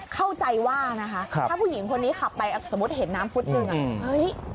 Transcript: เข้าใจว่านะคะถ้าผู้หญิงคนนี้ขับไปสมมุติเห็นน้ำฟุตหนึ่งอ่ะเฮ้ย